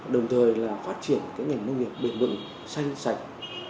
đồng thời phát triển ngành nông nghiệp bền vựng xanh sạch